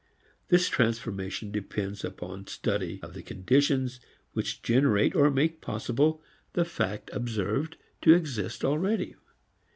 This transformation depends upon study of the conditions which generate or make possible the fact observed to exist already.